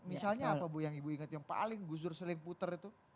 itu apa bu yang ibu ingat yang paling gus dur seling puter itu